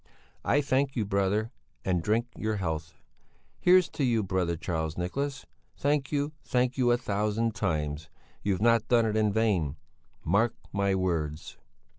I thank you, brother, and drink your health. Here's to you, brother Charles Nicholas! Thank you, thank you a thousand times! You've not done it in vain! Mark my words!"